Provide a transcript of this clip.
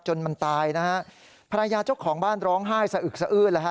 จนมันตายนะฮะภรรยาเจ้าของบ้านร้องไห้สะอึกสะอื้นแล้วฮะ